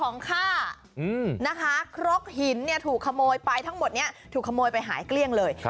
ฆ่านะคะครกหินเนี่ยถูกขโมยไปทั้งหมดนี้ถูกขโมยไปหายเกลี้ยงเลย